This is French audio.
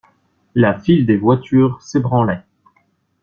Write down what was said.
La file des voitures s'ébranlait.